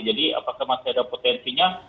jadi apakah masih ada potensinya